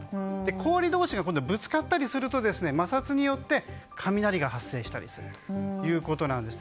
氷同士がぶつかったりすると摩擦によって雷が発生したりするということです。